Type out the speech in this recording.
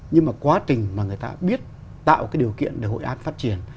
nhưng mà quá trình mà người ta biết tạo cái điều kiện để hội an phát triển